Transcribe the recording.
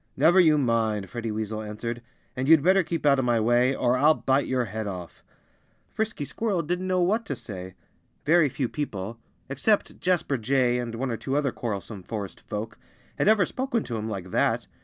"Never you mind," Freddie Weasel answered. "And you'd better keep out of my way, or I'll bite your head off." Frisky Squirrel didn't know what to say. Very few people except Jasper Jay and one or two other quarrelsome forest folk had ever spoken to him like that.